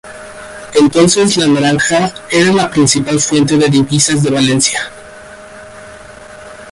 Entonces la naranja era la principal fuente de divisas de Valencia.